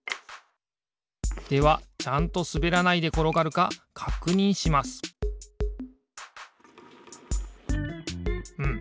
ではちゃんとすべらないでころがるかかくにんしますうん。